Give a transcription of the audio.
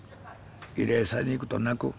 慰霊祭に行くと泣く。